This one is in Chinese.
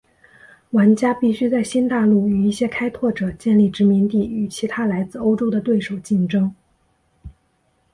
玩家必须在新大陆与一些开拓者建立殖民地与其他来自欧洲的对手竞争。